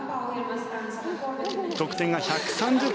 得点が１３０．３８。